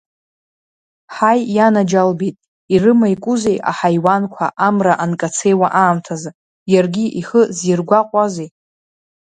Ҳаи, ианаџьалбеит, ирымаикузеи аҳаиуанқәа амра анкацеиуа аамҭазы, иаргьы ихы зиргәаҟуазеи?